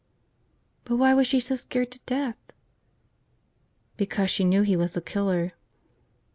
"But why was she so scared to death?" "Because she knew he was a killer."